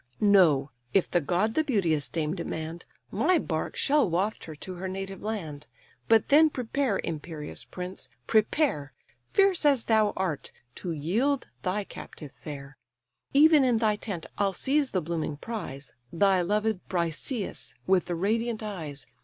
Know, if the god the beauteous dame demand, My bark shall waft her to her native land; But then prepare, imperious prince! prepare, Fierce as thou art, to yield thy captive fair: Even in thy tent I'll seize the blooming prize, Thy loved Briseïs with the radiant eyes.